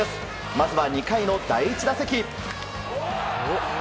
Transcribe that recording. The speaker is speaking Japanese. まずは２回の第１打席。